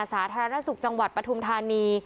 สาธารณสุขจังหวัดปฐุมธานี